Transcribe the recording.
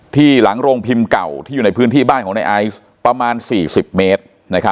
หลังโรงพิมพ์เก่าที่อยู่ในพื้นที่บ้านของในไอซ์ประมาณ๔๐เมตร